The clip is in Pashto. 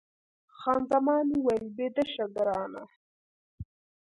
خان زمان وویل، بیده شه ګرانه.